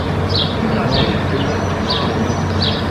Memoru pri tranokto.